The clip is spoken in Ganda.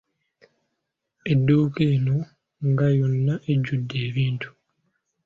Edduuka eno nga yonna ejjudde ebintu.